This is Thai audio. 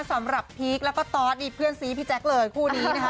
พีคแล้วก็ตอสนี่เพื่อนซีพี่แจ๊คเลยคู่นี้นะคะ